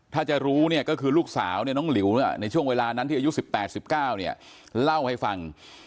ถ้าจะรู้เนี่ยก็คือลูกสาวเนี่ยน้องหลิวในช่วงเวลานั้นที่อายุ๑๘๑๙เนี่ยเล่าให้ฟัง